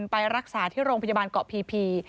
ไปรักษาที่โรงพยาบาลเกาะพี